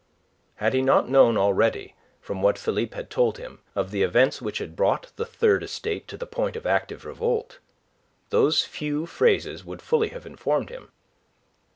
Had he not known already, from what Philippe had told him, of the events which had brought the Third Estate to the point of active revolt, those few phrases would fully have informed him.